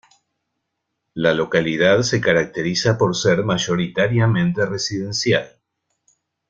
La localidad se caracteriza por ser mayoritariamente residencial.